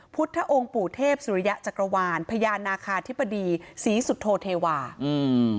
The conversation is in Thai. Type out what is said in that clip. พุทธองค์ปู่เทพสุริยะจักรวาลพญานาคาธิบดีศรีสุโธเทวาอืม